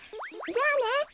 じゃあね！